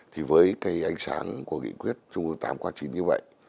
thì với cái ánh sáng của nghị quyết trung ương tám khóa chín như vậy